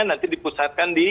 nanti dipusatkan di bbm